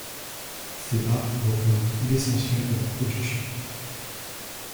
Ces barres représentent l'essentiel de la production.